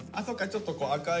ちょっと赤い。